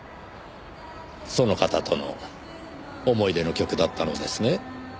その方との思い出の曲だったのですね？